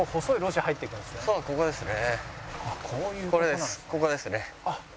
そうここですね。